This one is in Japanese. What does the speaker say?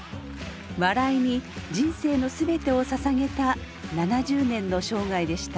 笑いに人生の全てをささげた７０年の生涯でした。